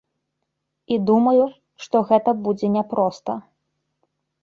І думаю, што гэта будзе няпроста.